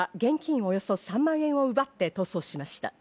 およそ３万円を奪って逃走しました。